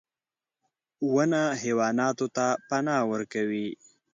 • ونه حیواناتو ته پناه ورکوي.